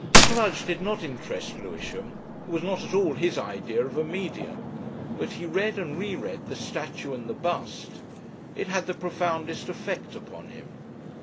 "Sludge" did not interest Lewisham, it was not at all his idea of a medium, but he read and re read "The Statue and the Bust." It had the profoundest effect upon him.